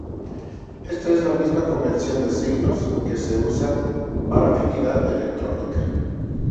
Esta es la misma convención de signos que se usa para afinidad electrónica.